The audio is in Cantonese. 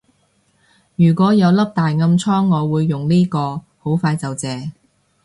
如果有粒大暗瘡我會用呢個，好快就謝